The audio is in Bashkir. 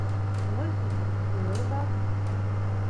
Улай тиһәң, улы бар.